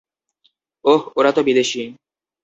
ওহ, ওরা তো বিদেশী।